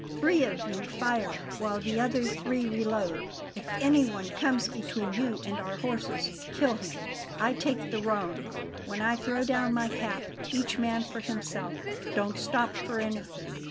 Three of you fire, while the other three reload. If anyone comes between you and our horses, kill him. I take the roan. When I throw down my cap, each man for himself; don't stop for anything."